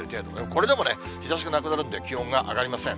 これでも日ざしがなくなるんで、気温が上がりません。